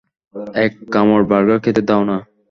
এক কামড় বার্গার খেতে দাও না?